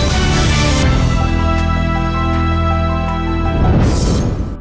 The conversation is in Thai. ใจใจใจใจ